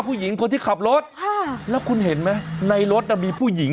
ผู้หญิงคนที่ขับรถค่ะแล้วคุณเห็นไหมในรถน่ะมีผู้หญิง